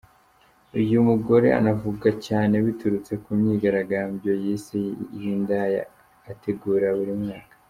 Uyu mugore anavugwa cyane biturutse ku myigaragambyo yise iy’indaya ategura buri mwaka.